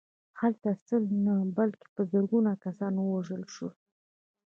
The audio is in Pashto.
هلته سل نه بلکې په زرګونه کسان ووژل شول